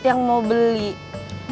yang mau beli aku juga banyak banget